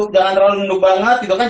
jangan terlalu menunduk banget